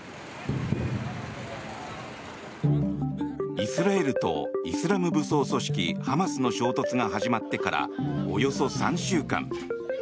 イスラエルとイスラム武装組織ハマスの衝突が始まってからおよそ３週間。